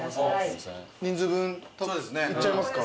人数分いっちゃいますか？